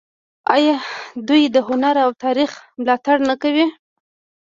آیا دوی د هنر او تاریخ ملاتړ نه کوي؟